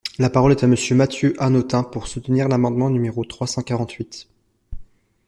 La parole est à Monsieur Mathieu Hanotin, pour soutenir l’amendement numéro trois cent quarante-huit.